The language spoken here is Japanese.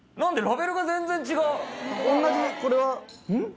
ラベルが全然違う同じこれはうん？